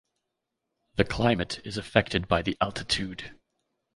The climate is affected by the altitude.